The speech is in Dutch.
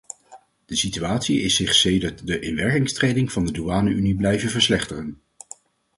De situatie is zich sedert de inwerkingtreding van de douane-unie blijven verslechteren.